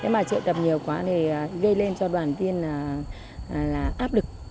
mà triệu tập nhiều quá thì gây lên cho đoàn viên là áp lực